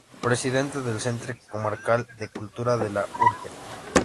Presidente del Centre Comarcal de Cultura de la Urgell.